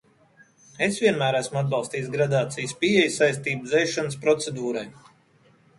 Es vienmēr esmu atbalstījis gradācijas pieeju saistību dzēšanas procedūrai.